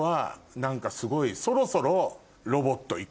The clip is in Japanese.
何かすごいそろそろ。